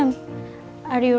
kamu siap mister